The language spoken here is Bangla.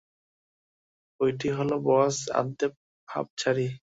ঐটি হলে বস্, আদ্দেক হাঁপ ছাড়ি।